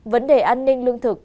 vấn đề an ninh lương thực